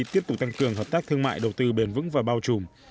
tiếp tục tăng cường hợp tác thương mại đầu tư bền vững và bao trùm